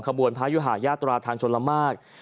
ขบวนพระยุหายาตราทางชนละมาก